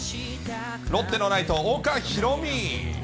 ロッテのライト、岡大海。